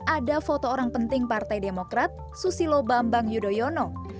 ada foto orang penting partai demokrat susilo bambang yudhoyono